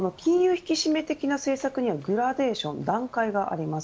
引き締め的な政策にはグラデーション段階があります。